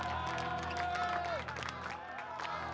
sampai aku berhenti kek